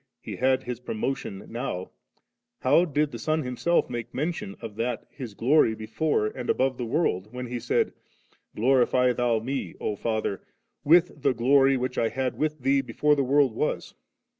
He had His promotion now, how did the Son Himself make mention of that His glory before and above the world, when He said, * Glorify Thou Me, O Father, with the glory which I had with Thee before the world was